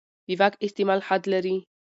د واک استعمال حد لري